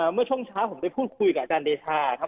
เมื่อช่วงเช้าผมได้พูดคุยกับอาจารย์เดชาครับ